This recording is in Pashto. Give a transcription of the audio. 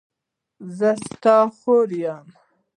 زه ستا خور یم.